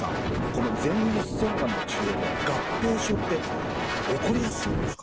この前立腺がんの治療では合併症って起こりやすいんですか？